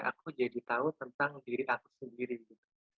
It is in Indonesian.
aku jadi tahu tentang diri aku sendiri gitu